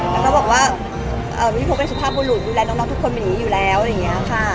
แล้วก็บอกว่าพี่พบเป็นสุภาพบุรุษดูแลน้องทุกคนเป็นอย่างนี้อยู่แล้วอะไรอย่างนี้ค่ะ